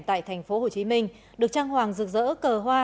tại thành phố hồ chí minh được trang hoàng rực rỡ cờ hoa